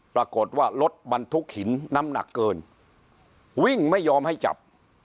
ปรากฏว่ารถบรรทุกหินน้ำหนักเกินวิ่งไม่ยอมให้จับ